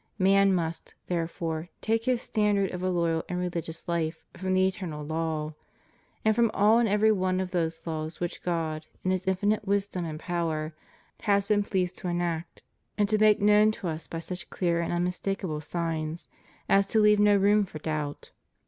Man must, therefore, take his standard of a loyal and religious life from the eternal law ; and from all and every one of those laws which God, in His infinite wisdom and power, has been pleased to enact, and to make known to us by such clear and unmistakable signs as to leave no room for doubt.